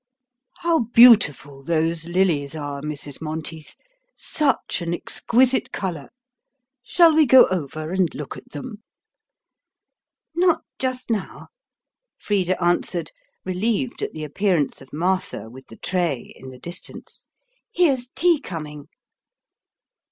How beautiful those lilies are, Mrs. Monteith! such an exquisite colour! Shall we go over and look at them?" "Not just now," Frida answered, relieved at the appearance of Martha with the tray in the distance. "Here's tea coming."